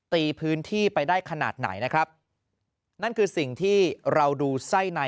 ตีพื้นที่ไปได้ขนาดไหนนะครับนั่นคือสิ่งที่เราดูไส้ใน